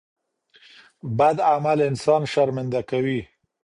بد عمل انسان شرمنده کوي.